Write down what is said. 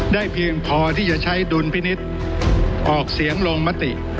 เพียงพอที่จะใช้ดุลพินิษฐ์ออกเสียงลงมติ